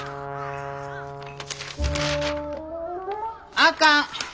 あかん。